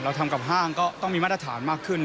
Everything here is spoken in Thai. ทำกับห้างก็ต้องมีมาตรฐานมากขึ้น